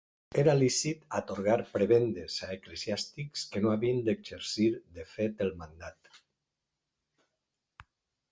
Era lícit atorgar prebendes a eclesiàstics que no havien d'exercir de fet el mandat.